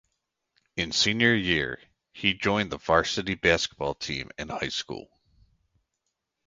In senior year, he joined the varsity basketball team in high school.